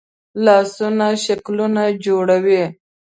لاسونه شکلونه جوړوي